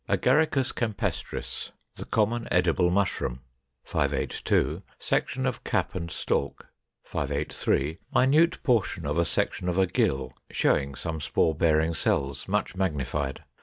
Agaricus campestris, the common edible Mushroom. 582. Section of cap and stalk. 583. Minute portion of a section of a gill, showing some spore bearing cells, much magnified.